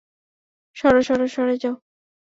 সরো, সরো, সরে যাও।